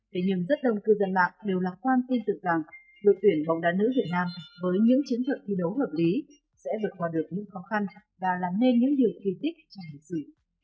thế nhưng rất đông cư dân mạng đều lạc quan tin tưởng rằng đội tuyển bóng đá nữ việt nam với những chiến thuật thi đấu hợp lý sẽ vượt qua được những khó khăn và làm nên những điều kỳ tích trong lịch sử